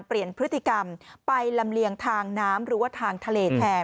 เปลี่ยนพฤติกรรมไปลำเลียงทางน้ำหรือว่าทางทะเลแทน